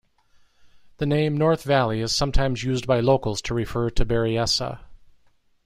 The name North Valley is sometimes used by locals to refer to Berryessa.